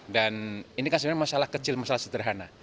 dan ini kan sebenarnya masalah kecil masalah sederhana